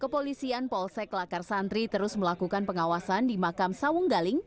kepolisian polsek lakar santri terus melakukan pengawasan di makam sawung galing